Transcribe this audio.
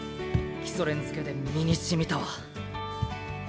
基礎練漬けで身にしみたわ。